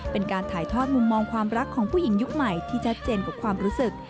เป็นการถ่ายทอดมุมมองความรักของผู้หญิงยุคใหม่ที่ชัดเจนกว่าความรู้สึก